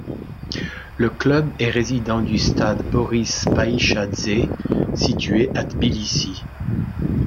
Le club est résident du stade Boris Paichadze, situé à Tbilissi.